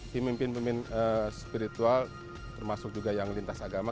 pemimpin pemimpin spiritual termasuk juga yang lintas agama